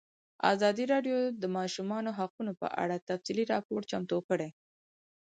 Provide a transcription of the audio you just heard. ازادي راډیو د د ماشومانو حقونه په اړه تفصیلي راپور چمتو کړی.